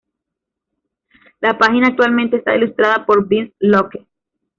La página actualmente está ilustrada por Vince Locke.